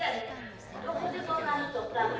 どこでこんなに取ったんな？